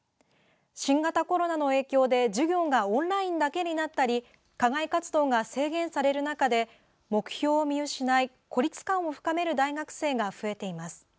新型コロナの影響で授業がオンラインだけになったり課外活動が制限される中で目標を見失い孤立感を深める大学生が増えています。